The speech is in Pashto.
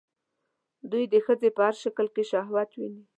دوی د ښځې په هر شکل کې شهوت ويني